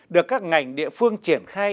được các ngành địa phương triển khai